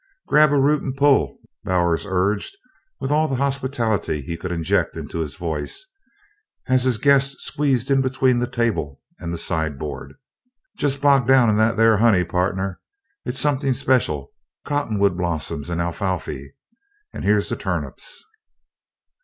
"Grab a root and pull!" Bowers urged with all the hospitality he could inject into his voice, as the guest squeezed in between the table and the sideboard. "Jest bog down in that there honey, pardner it's something special cottonwood blossoms and alfalfy. And here's the turnips!"